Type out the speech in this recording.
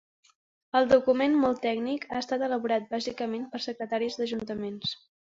El document, molt tècnic, ha estat elaborat, bàsicament, per secretaris d’ajuntaments.